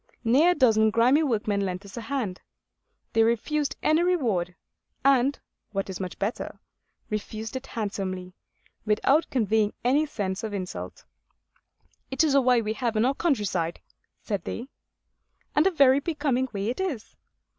Near a dozen grimy workmen lent us a hand. They refused any reward; and, what is much better, refused it handsomely, without conveying any sense of insult. 'It is a way we have in our countryside,' said they. And a very becoming way it is.